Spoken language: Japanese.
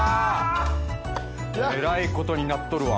えらいことになっとるわ。